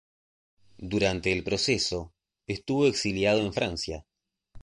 Durante el proceso, estuvo exiliado en Francia.